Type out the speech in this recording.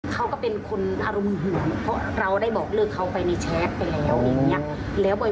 เขาก็เป็นคนอารมณ์ห่วงเพราะเราได้บอกเลิกเขาไปในแชทไปแล้วอย่างนี้